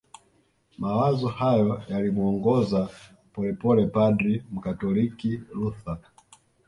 Mawazo hayo yalimuongoza polepole padri mkatoliki Luther